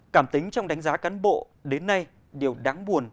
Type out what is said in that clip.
cảm tính trong đánh giá cán bộ đến nay điều đáng buồn